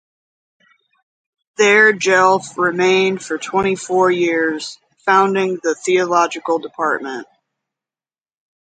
There Jelf remained for twenty-four years, founding the theological department.